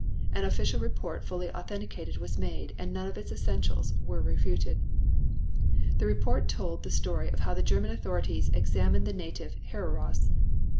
An official report fully authenticated was made and none of its essential details were refuted. The report told the story of how the German authorities exterminated the native Hereros.